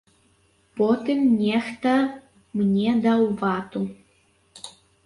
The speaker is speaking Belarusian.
Потым нехта мне даў вату.